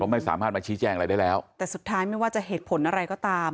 ไม่สามารถมาชี้แจ้งอะไรได้แล้วแต่สุดท้ายไม่ว่าจะเหตุผลอะไรก็ตาม